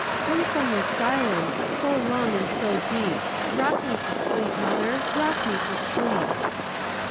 Come from the silence so long and so deep;—Rock me to sleep, mother,—rock me to sleep!